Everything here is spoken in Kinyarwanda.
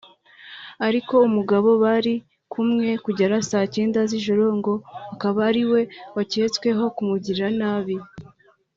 ariko umugabo bari kumwe kugera saa Cyenda z’ijoro ngo akaba ariwe wacyetsweho kumugirira nabi